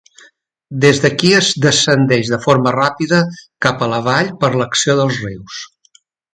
Des d'aquí es descendeix de forma ràpida cap a la vall per l'acció dels rius.